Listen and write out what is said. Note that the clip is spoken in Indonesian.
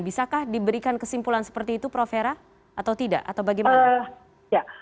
bisakah diberikan kesimpulan seperti itu prof hera atau tidak atau bagaimana